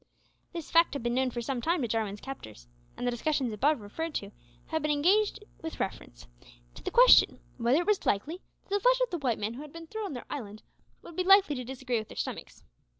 This fact had been known for some time to Jarwin's captors, and the discussions above referred to had been engaged in with reference to the question whether it was likely that the flesh of the white man who had been thrown on their island would be likely to disagree with their stomachs!